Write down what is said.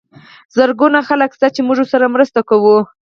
زرګونه خلک شته چې موږ ورسره مرسته کوو.